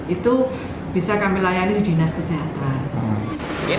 itu bisa kami layani di dinas kesehatan